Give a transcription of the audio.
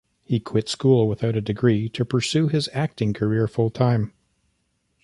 He quit school without a degree to pursue his acting career full-time.